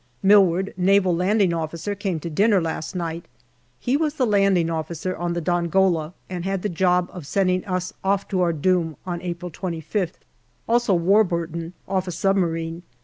Milward, Naval Landing Officer, came to dinner last night. He was the Landing Officer on the Dongola, and had the job of sending us off to our doom on April 25th. Also Warburton, off a submarine.